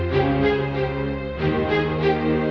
kok bimbo gak ada ya